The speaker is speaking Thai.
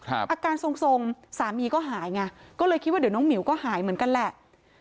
อาการทรงทรงสามีก็หายไงก็เลยคิดว่าเดี๋ยวน้องหมิวก็หายเหมือนกันแหละ